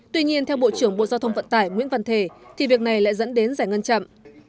tuy nhiên theo bộ trưởng bộ giao thông vận tải nguyễn văn thể thì việc này lại dẫn đến giải ngân chậm